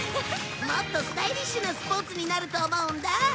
もっとスタイリッシュなスポーツになると思うんだ。